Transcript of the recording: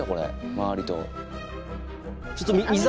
周りと。